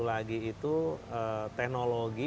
lagi itu teknologi